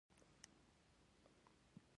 په مقابل کې د پېرودونکو شمېره یې ټیټه ده